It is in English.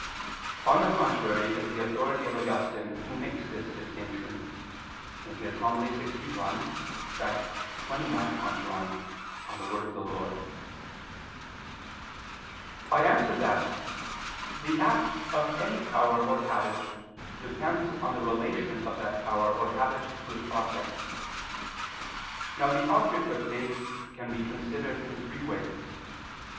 On the contrary is the authority of Augustine who makes this distinction (De Verb. Dom., Serm. lxi Tract. xxix in Joan.). I answer that, The act of any power or habit depends on the relation of that power or habit to its object. Now the object of faith can be considered in three ways.